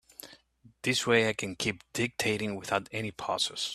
This way I can keep dictating without any pauses.